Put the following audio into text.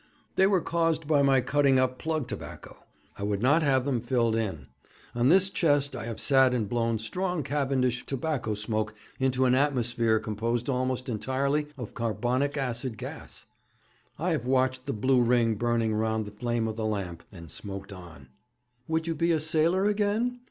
'They were caused by my cutting up plug tobacco. I would not have them filled in. On this chest I have sat and blown strong Cavendish tobacco smoke into an atmosphere composed almost entirely of carbonic acid gas; I have watched the blue ring burning round the flame of the lamp, and smoked on.' 'Would you be a sailor again?'